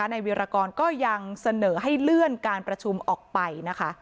ในวิรากรก็ยังเสนอให้เลื่อนการประชุมออกไปนะคะ